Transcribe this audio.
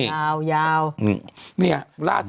ร้าวยาว